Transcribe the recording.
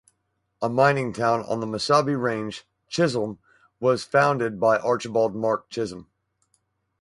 A mining town on the Mesabi Range, Chisholm was founded by Archibald Mark Chisholm.